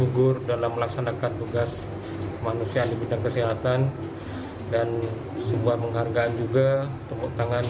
gugur dalam melaksanakan tugas manusia di bidang kesehatan dan sebuah penghargaan juga tepuk tangan